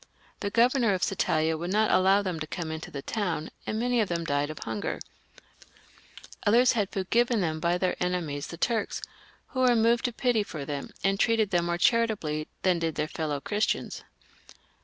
The governor of Satalia would not allow them to come into the town, and many of them died of hunger ; others had food given them by their enemies the Turks, who were moved to pity for them, and treated them more charitably than did their fellow Christians.